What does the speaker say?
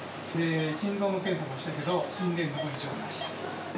心臓の検査もしたけど、心電図も異常なし。